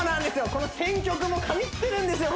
この選曲も神ってるんですよ